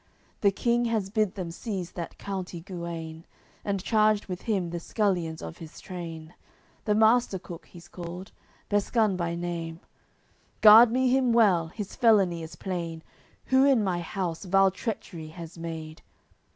The King has bid them seize that county Guene, And charged with him the scullions of his train; The master cook he's called, Besgun by name: "Guard me him well, his felony is plain, Who in my house vile treachery has made."